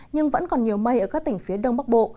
nhưng vẫn còn nhiều mây ở các tỉnh phía đông bắc bộ